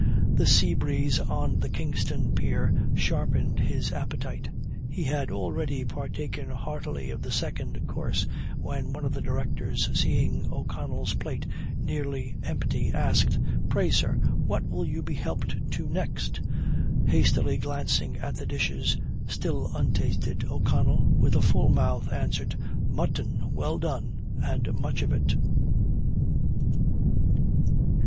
The sea breeze on the Kingstown pier sharpened his appetite. He had already partaken heartily of the second course, when one of the directors, seeing O'Connell's plate nearly empty, asked "Pray, sir, what will you be helped to next?" Hastily glancing at the dishes still untasted, O'Connell, with a full mouth, answered "Mutton well done and much of it."